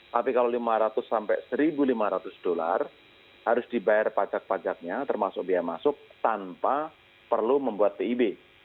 tapi kalau lima ratus sampai satu lima ratus dolar harus dibayar pajak pajaknya termasuk biaya masuk tanpa perlu membuat pib